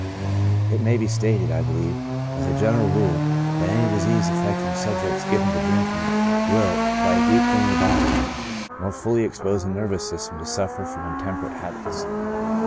It may be stated, I believe, as a general rule, that any disease affecting subjects given to drinking, will, by weaken ing the body, more fully expose the nervous system to suffer from intemperate habits.